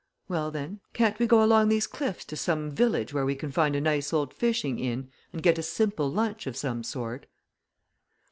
Well, then, can't we go along these cliffs to some village where we can find a nice old fishing inn and get a simple lunch of some sort?"